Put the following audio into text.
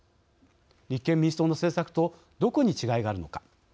立憲民主党の政策とどこに違いがあるのか。